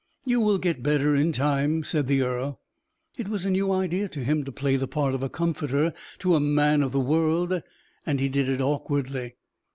"You will get better in time," said the earl. It was a new idea to him to play the part of comforter to a man of the world, and he did it awkwardly.